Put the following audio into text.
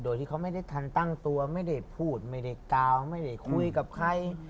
โดยที่เขาไม่ได้ทันตั้งตัวไม่ได้พูดไม่ได้กล่าวไม่ได้คุยกับใคร